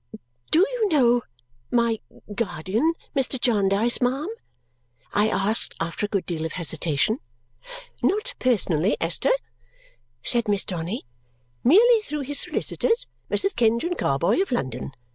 "Do you know my guardian, Mr. Jarndyce, ma'am?" I asked after a good deal of hesitation. "Not personally, Esther," said Miss Donny; "merely through his solicitors, Messrs. Kenge and Carboy, of London.